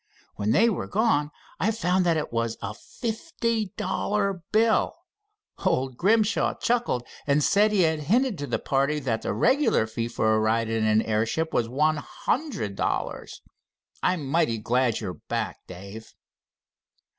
When they were gone, and I found that it was a fifty dollar bill, old Grimshaw chuckled and said he had hinted to the party that the regular fee for a ride in an airship was one hundred dollars. I'm mighty glad you're back, Dave."